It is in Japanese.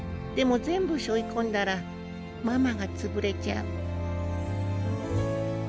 でも全部しょい込んだらママが潰れちゃう。